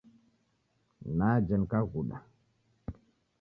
Naja nikaghuda.